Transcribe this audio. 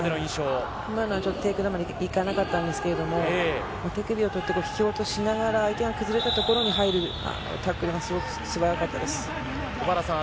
今のはテイクダウンまで行かなかったんですけど手首を取って引き落としたから相手が崩れたところに入るというタックルが素早かったです。